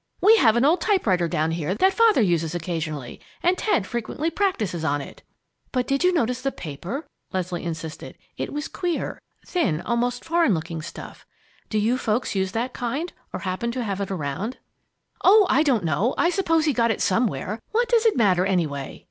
We have an old typewriter down here that Father uses occasionally, and Ted frequently practises on it." "But did you notice the paper?" Leslie insisted. "It was queer, thin, almost foreign looking stuff. Do you folks use that kind, or happen to have it about?" "Oh, I don't know. I suppose he got it somewhere. What does it matter, anyway?"